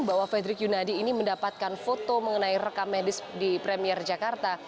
bahwa fredrik yunadi ini mendapatkan foto mengenai rekam medis di premier jakarta